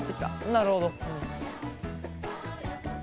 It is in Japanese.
なるほど。